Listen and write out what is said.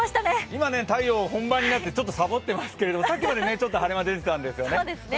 今、太陽、本番になってちょっとサボってますけど、さっきまでちょっと晴れ間出ていたんですよね。